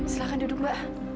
silahkan duduk mbak